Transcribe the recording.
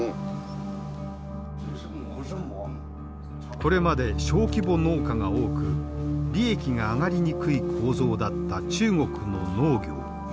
これまで小規模農家が多く利益が上がりにくい構造だった中国の農業。